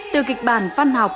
từ kịch bản văn học